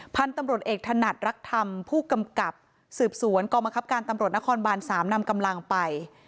พันธุ์ตำรวจเอกถนัดรักธรรมผู้กำกับสืบสวนกองบังคับการตำรวจนครบาน๓นำกำลังไป